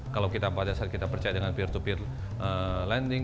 kalau kita pada saat kita percaya dengan peer to peer lending